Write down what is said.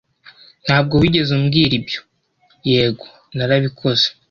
"Ntabwo wigeze umbwira ibyo!" "Yego, narabikoze!"